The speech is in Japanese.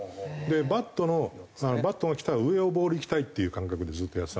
バットのバットがきたら上をボールいきたいっていう感覚でずっとやってたんですけど。